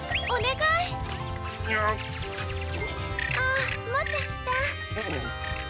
あもっとした。